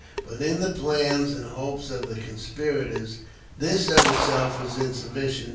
But in the plans and hopes of the conspirators, this of itself was insufficient.